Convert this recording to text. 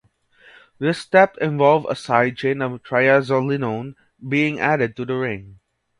This step involved a side chain of triazolinone being added to the ring.